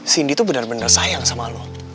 cindy tuh bener bener sayang sama lo